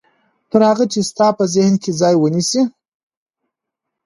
تر هغه چې ستاسې په ذهن کې ځای ونيسي.